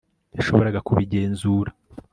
yashoboraga kubigenzura